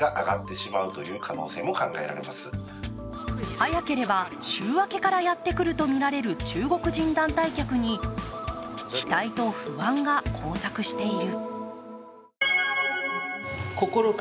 早ければ週明けからやってくるとみられる中国人団体客に期待と不安が交錯している。